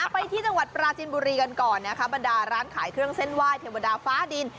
ไปที่จังหวัดปราจินบุรีกันก่อนนะคะบรรดาร้านขายเครื่องเส้นไหว้เทวดาฟ้าดิน